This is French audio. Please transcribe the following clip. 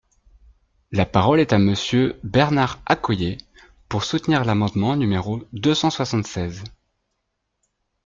La parole est à Monsieur Bernard Accoyer, pour soutenir l’amendement numéro deux cent soixante-seize.